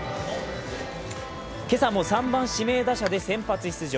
今朝も３番・指名打者で先発出場。